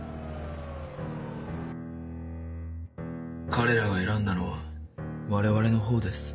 彼らが選んだのは我々の方です。